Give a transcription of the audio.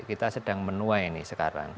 kita sedang menuai nih sekarang